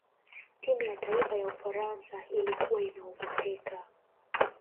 timu ya taifa ya ufaransa ilikuwa inaogopeka